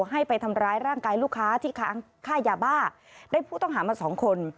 ให้ไปทำร้ายร่างกายลูกค้าที่ค้างค่ายาบ้าได้ผู้ต้องหามาสองคน